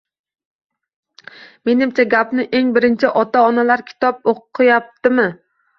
Menimcha, gapni eng birinchi “Ota-onalar kitob o‘qiyaptimi?”